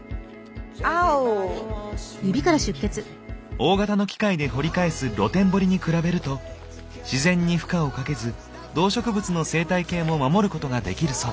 大型の機械で掘り返す「露天掘り」に比べると自然に負荷をかけず動植物の生態系も守ることができるそう。